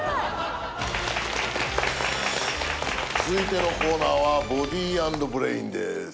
続いてのコーナーはボディ＆ブレインです。